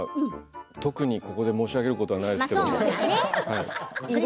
特に、ここで申し上げることはないです。